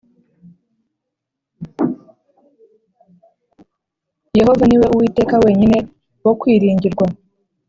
Yehova niwe Uwiteka wenyine wo kwiringirwa